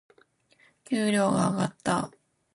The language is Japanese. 給料が上がった。